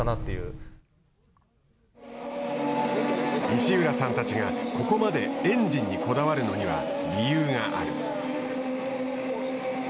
石浦さんたちがここまでエンジンにこだわるのには理由がある。